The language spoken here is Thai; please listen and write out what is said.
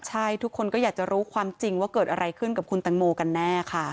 ใช่ทุกคนก็อยากจะรู้ความจริงว่าเกิดอะไรขึ้นกับคุณตังโมกันแน่ค่ะ